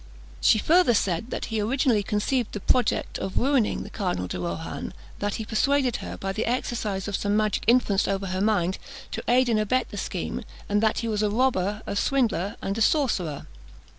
She further said that he originally conceived the project of ruining the Cardinal de Rohan; that he persuaded her, by the exercise of some magic influence over her mind, to aid and abet the scheme; and that he was a robber, a swindler, and a sorcerer!